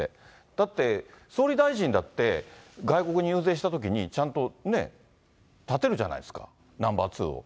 だって、総理大臣だって、外国に遊説したときに、ちゃんと、ね、立てるじゃないですか、ナンバー２を。